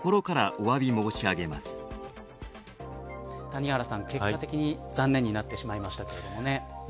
谷原さん、結果的に残念になってしまいましたけれども。